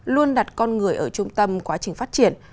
luôn đặt con người ở trung tâm quá trình phát triển